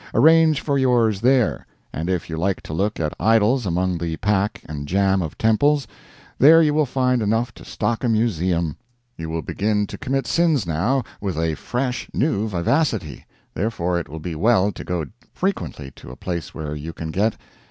Arrange for yours there. And if you like to look at idols among the pack and jam of temples, there you will find enough to stock a museum. You will begin to commit sins now with a fresh, new vivacity; therefore, it will be well to go frequently to a place where you can get 9.